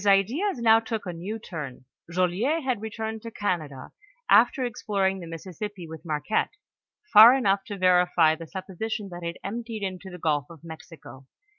ideas now took a new turn, Joliet had returned to Oanado, after exploring the Mississippi with Marquette, fur enough to Terify the supposition that it emptied into the gulf of Mexico.